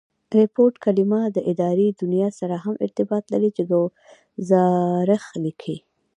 ریپوټ کلیمه د اداري دونیا سره هم ارتباط لري، چي ګوزارښ لیکي.